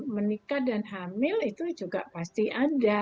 menikah dan hamil itu juga pasti ada